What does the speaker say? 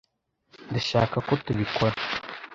Ndashaka ko tubikora.